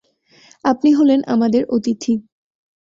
আপনি হলেন আমাদের অতিথি।